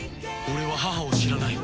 俺は母を知らない。